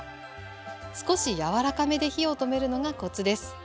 少し柔らかめで火を止めるのがコツです。